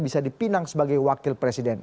bisa dipinang sebagai wakil presiden